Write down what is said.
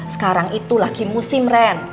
sekarang itu lagi musim ren